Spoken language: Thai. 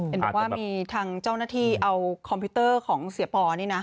เห็นบอกว่ามีทางเจ้าหน้าที่เอาคอมพิวเตอร์ของเสียปอนี่นะ